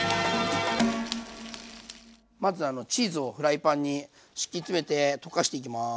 まずチーズをフライパンに敷き詰めて溶かしていきます。